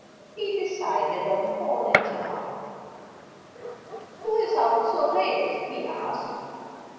He decided on calling to her. "Who is out so late?" he asked.